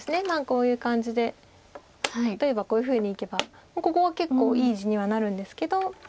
例えばこういうふうにいけばここは結構いい地にはなるんですけど。